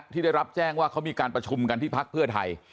ที่ได้รับแจ้งว่าเขามีการประชุมกันที่พักเพื่อไทย